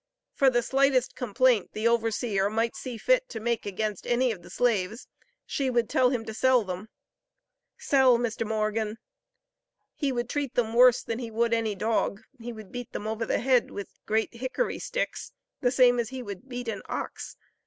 For the slightest complaint the overseer might see fit to make against any of the slaves, she would tell him to sell them" "Sell, Mr. Morgan." "He would treat them worse than he would any dog; would beat them over the head with great hickory sticks, the same as he would beat an ox.